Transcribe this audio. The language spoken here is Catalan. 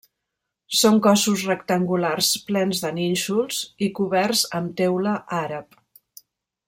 Són cossos rectangulars plens de nínxols i coberts amb teula àrab.